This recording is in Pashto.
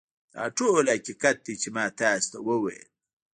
دا ټول حقیقت دی چې ما تاسو ته وویل